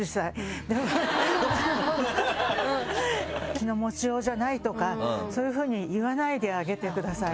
「気の持ちようじゃない？」とかそういうふうに言わないであげてください。